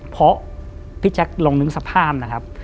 เพราะพี่แจ๊คลองนึกสภาพนะครับ